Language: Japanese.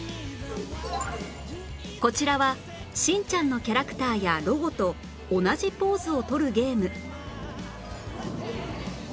こちらは『しんちゃん』のキャラクターやロゴと同じポーズをとるゲーム